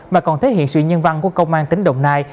mà còn thể hiện sự nhân văn của công an tỉnh đồng nai